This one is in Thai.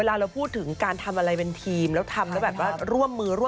ล่าสุดก็๙คนละ๙ของพี่ตูน